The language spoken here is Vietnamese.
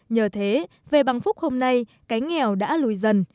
nhờ thế về bằng phúc hôm nay cái nghèo đã lùi dần